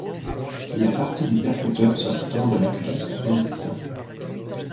La partie du percuteur sortant de la culasse s'appelle l'ident.